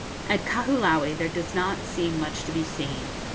At Kahoolaue there does not seem much to be seen.